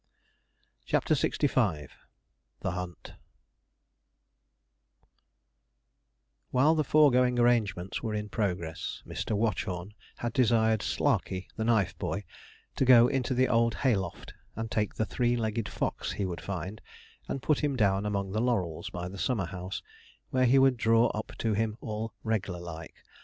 CHAPTER LXV THE HUNT While the foregoing arrangements were in progress, Mr. Watchorn had desired Slarkey, the knife boy, to go into the old hay loft and take the three legged fox he would find, and put him down among the laurels by the summer house, where he would draw up to him all 'reg'lar' like.